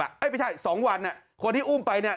ไม่ใช่๒วันคนที่อุ้มไปเนี่ย